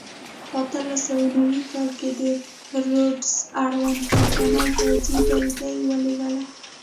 په اتلس سوه نوي کال کې د روډز اړوند کمپنۍ پوځي ډلګۍ ولېږله.